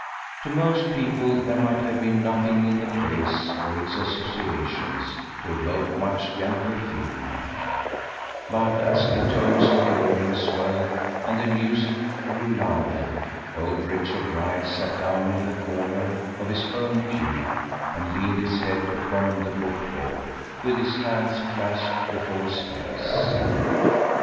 To most people there might have been nothing in the place or its associations to evoke much gentle feeling; but as the tones of the organ swelled and the music grew louder, old Richard Dryce sat down in the corner of his own pew and leaned his head upon the book board, with his hands clasped before his face.